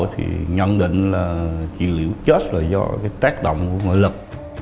thì nhận định là chịu liễu chết là do tác động của nội lực